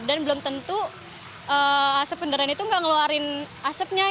dan belum tentu asap kendaraan itu nggak ngeluarin asapnya